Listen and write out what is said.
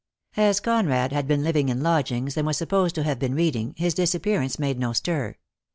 As Conrad had been living in lodgings, and was supposed to have been reading, his disappearance made no stir.